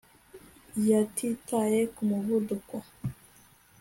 Yatitaye ku muvuduko